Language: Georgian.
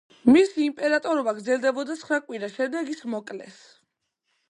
მისი იმპერატორობა გრძელდებოდა ცხრა კვირა, შემდეგ ის მოკლეს.